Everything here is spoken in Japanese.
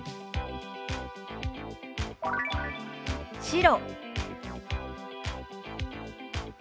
「白」。